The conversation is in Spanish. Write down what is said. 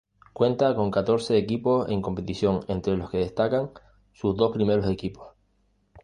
Cuenta con catorce equipos en competición entre los que destacan sus dos primeros equipos.